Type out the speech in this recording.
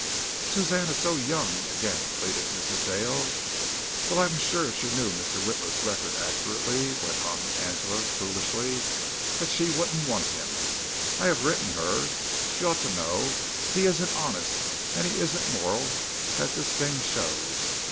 "Suzanne is so young," again pleaded Mrs. Dale. "Well, I'm sure if she knew Mr. Witla's record accurately," went on Angela foolishly, "she wouldn't want him. I have written her. She ought to know. He isn't honest and he isn't moral as this thing shows.